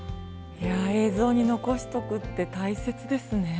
映像に残しとくって大切ですね。